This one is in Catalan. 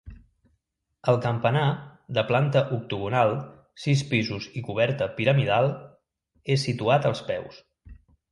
El campanar, de planta octogonal, sis pisos i coberta piramidal, és situat als peus.